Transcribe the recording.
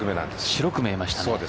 白く見えましたね。